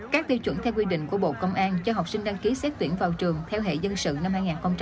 các tiêu chuẩn theo quy định của bộ công an cho học sinh đăng ký xét tuyển vào trường theo hệ dân sự năm hai nghìn hai mươi